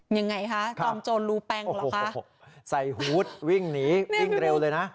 ยังไงคะค่ะตอมโจรรูแป้งเหรอคะโอ้โหโหใส่หุ้ดวิ่งหนีวิ่งเร็วเลยนะ